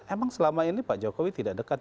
emang selama ini pak jokowi tidak dekat